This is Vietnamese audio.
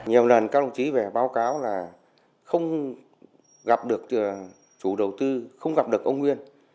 nhiều lần các đồng chí về báo cáo là không gặp được chủ đầu tư không gặp được ông nguyên